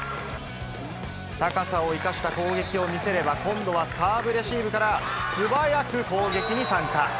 高さを生かした攻撃を見せれば、今度はサーブレシーブから素早く攻撃に参加。